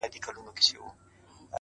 د سترگو اوښکي دي خوړلي گراني -